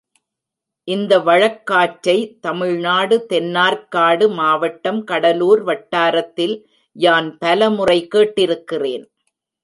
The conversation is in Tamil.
இந்த வழக்காற்றை, தமிழ்நாடு தென்னார்க்காடு மாவட்டம், கடலூர் வட்டாரத்தில் யான் பலமுறை கேட்டிருக் கிறேன்.